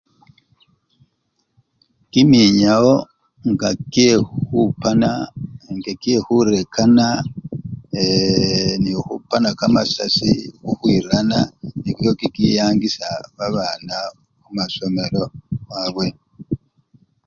Kiminyawo nga kyekhukhupana, kyekhurekana eeee! nekhukhupana kamasasi khukhwirana nikyo kikiyangisya babana khumasomelo kabwe.